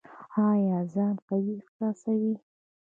ایا ځان قوي احساسوئ؟